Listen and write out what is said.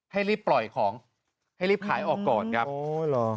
ให้รีบปล่อยของให้รีบขายออกก่อนครับโอ้ยเหรอ